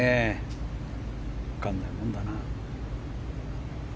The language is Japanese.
分からないものだな。